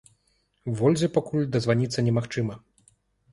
Вользе пакуль дазваніцца немагчыма.